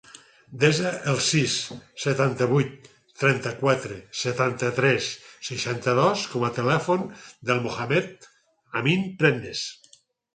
Desa el sis, setanta-vuit, trenta-quatre, setanta-tres, seixanta-dos com a telèfon del Mohamed amin Prendes.